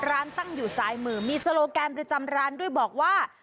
ร้านตั้งอยู่ซ้ายมือมีโซโลแกรมประจำร้านด้วยบอกว่า